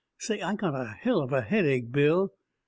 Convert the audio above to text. "Say, I got a hell of a headache, Bill."